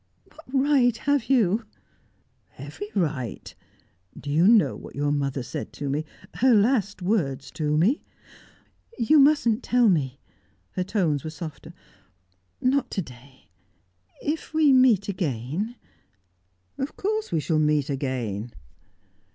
What right have you?" "Every right! Do you know what your mother said to me her last words to me ?" "You mustn't tell me!" Her tones were softer. "Not to day. If we meet again " "Of course we shall meet again!"